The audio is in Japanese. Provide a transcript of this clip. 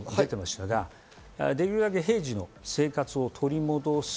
できるだけ平時の生活を取り戻す。